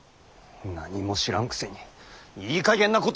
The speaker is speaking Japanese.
何も知らんくせにいいかげんなことを！